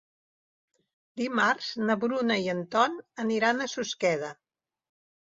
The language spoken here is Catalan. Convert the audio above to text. Dimarts na Bruna i en Ton aniran a Susqueda.